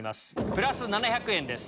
プラス７００円です。